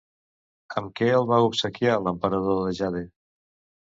Amb què el va obsequiar l'Emperador de Jade?